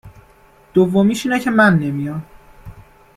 دومیش اینه که من نمیام